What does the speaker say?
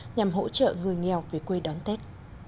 nhằm hỗ trợ người nghèo về quê đón tết